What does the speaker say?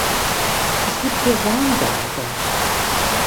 Es gibt hier Weinberge.